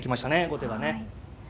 後手がね。